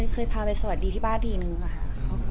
เคยพาไปสวัสดีที่บ้านทีนึงค่ะ